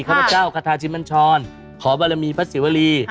พระเจ้าคาทาชิมัญชรขอบารมีพระศิวรี